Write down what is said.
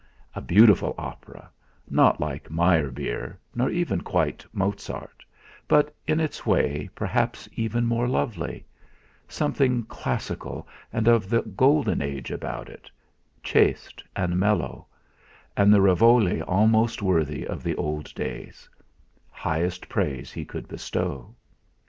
A beautiful opera, not like Meyerbeer, nor even quite Mozart, but, in its way, perhaps even more lovely; something classical and of the Golden Age about it, chaste and mellow, and the Ravogli 'almost worthy of the old days' highest praise he could bestow.